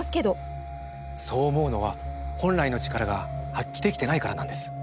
そう思うのは本来の力が発揮できてないからなんです。